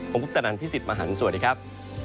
ผมกุ๊ปตะนันท์พี่สิทธิ์มหันธ์สวัสดีครับ